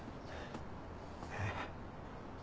えっ？